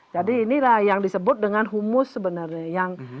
jadi inilah yang disebut dengan humus sebenarnya